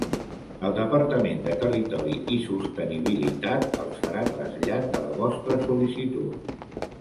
El Departament de Territori i Sostenibilitat els farà trasllat de la vostra sol·licitud.